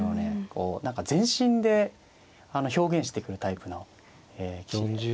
こう何か全身で表現してくるタイプの棋士で。